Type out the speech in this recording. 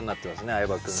相葉君に。